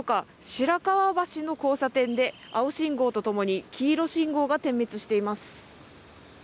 白河橋の交差点で、青信号とともに黄色信号が点滅しています。